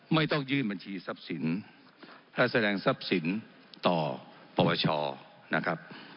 ไม่ต้องยื่นบัญชีทรัพย์สินและแสดงทรัพย์สินต่อปวชนะครับ